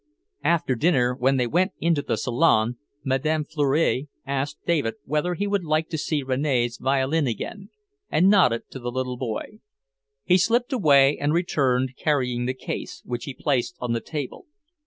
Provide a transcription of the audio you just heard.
After dinner, when they went into the salon, Madame Fleury asked David whether he would like to see Rene's violin again, and nodded to the little boy. He slipped away and returned carrying the case, which he placed on the table.